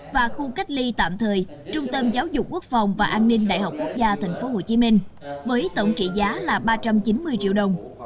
và khu cách ly tạm thời trung tâm giáo dục quốc phòng và an ninh đại học quốc gia tp hcm với tổng trị giá là ba trăm chín mươi triệu đồng